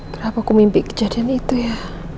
kenapa aku mimpi kejadian itu ya